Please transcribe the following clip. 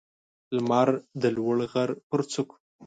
لمر د لوړ غر پر څوکو